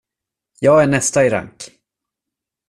Jag är nästa i rank.